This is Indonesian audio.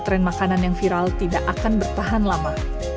tren makanan yang viral tidak akan bertahan lama